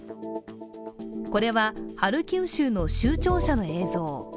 これはハルキウ州の州庁舎の映像。